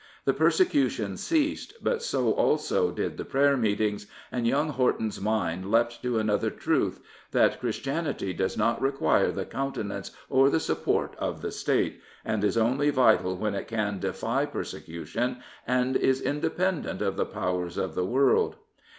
The persecution ceased, but so also did the prayer meetings, and young Horton*s mind leapt to another truth — that Christianity does not require the countenance or support of the State, and is only vital when it can defy persecution and is independent of the powers of the world.